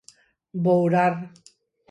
Bourar.